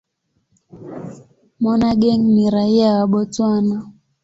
Monageng ni raia wa Botswana.